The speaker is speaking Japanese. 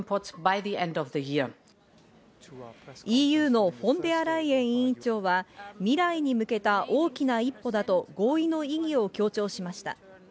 ＥＵのフォンデアライエン委員長は、未来に向けた大きな一歩だと、合意の意義を強調しました。